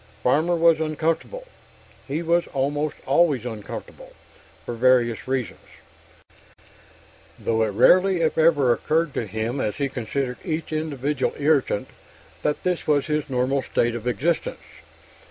Farmer was uncomfortable. He was almost always uncomfortable, for various reasons; though it rarely if ever occurred to him, as he considered each individual irritant, that this was his normal state of existence.